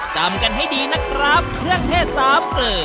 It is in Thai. จำกันให้ดีนะครับเครื่องเทศสามเกลอ